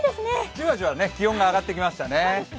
じわじわ気温が上ってきましたね。